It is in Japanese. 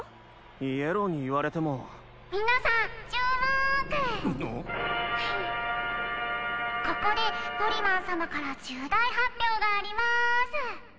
イエローに言われても皆さんちゅーもーくここでポリマン様から重大発表がありまーす